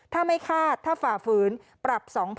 ถ้าไม่คาดถ้าฝ่าฝืนปรับ๒๐๐๐